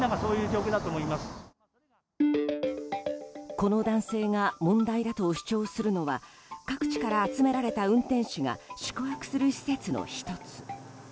この男性が問題だと主張するのは各地から集められた運転手が宿泊する施設の１つ。